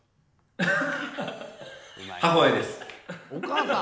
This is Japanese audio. お母さん。